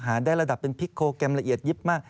ได้ระดับเป็นพลิกโครแกรมละเอียดยิบมาก